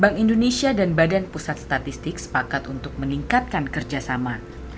bank indonesia dan badan pusat statistik sepakat untuk meningkatkan kerjasama